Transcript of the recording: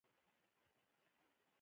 د ارم باغ په شیراز کې دی.